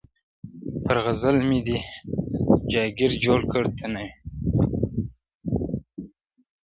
پر غزل مي دي جاګیر جوړ کړ ته نه وې!!